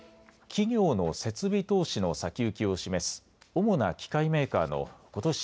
企業の設備投資の先行きを示す主な機械メーカーのことし